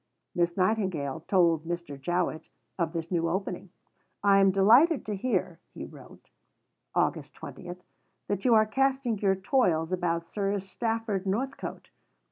Miss Nightingale told Mr. Jowett of this new opening. "I am delighted to hear," he wrote (Aug. 20), "that you are casting your toils about Sir Stafford Northcote.